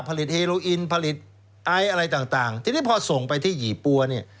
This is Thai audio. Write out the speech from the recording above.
ผลิตเฮโรอินผลิตไออะไรต่างทีนี้พอส่งไปที่หยีปัว